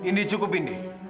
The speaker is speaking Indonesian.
ini cukup indi